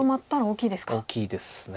大きいです。